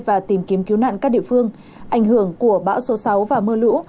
và tìm kiếm cứu nạn các địa phương ảnh hưởng của bão số sáu và mưa lũ